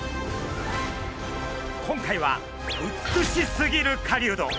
今回は「美しすぎる狩人」